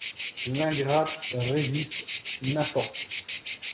L'ingrate résiste ; n'importe.